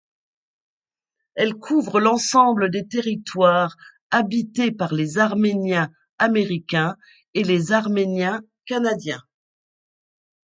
Elle couvre l'ensemble des territoires habités par les Arméniens américains et les Arméniens canadiens.